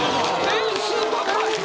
点数高い。